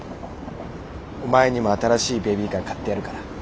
お前にも新しいベビーカー買ってやるから。